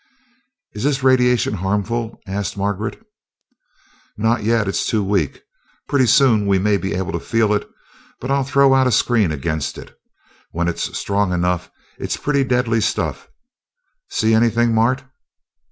"Is this radiation harmful?" asked Margaret. "Not yet it's too weak. Pretty soon we may be able to feel it; then I'll throw out a screen against it. When it's strong enough, it's pretty deadly stuff. See anything, Mart?"